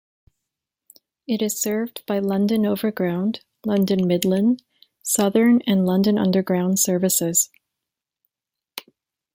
It is served by London Overground, London Midland, Southern and London Underground services.